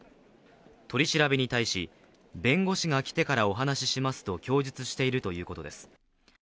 取り調べに対し、弁護士が来てからお話ししますと供述しているということです。